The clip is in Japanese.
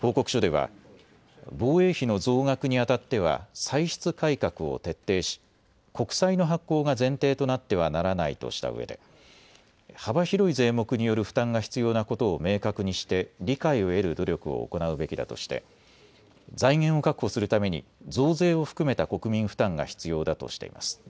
報告書では防衛費の増額にあたっては歳出改革を徹底し、国債の発行が前提となってはならないとしたうえで幅広い税目による負担が必要なことを明確にして理解を得る努力を行うべきだとして財源を確保するために増税を含めた国民負担が必要だとしています。